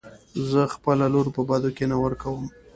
زه خپله لور په بدو کې نه ورکم .